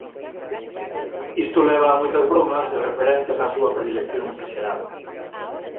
Isto leva a moitas bromas e referencias á súa predilección esaxerada.